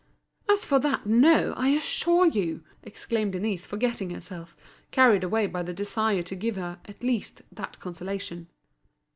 "As for that, no, I assure you!" exclaimed Denise, forgetting herself, carried away by the desire to give her, at least, that consolation.